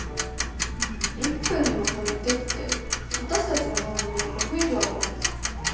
１分にまとめてって私たちの番組は５分以上あるのに。